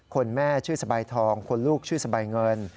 แม่ชื่อสบายทองคนลูกชื่อสบายเงิน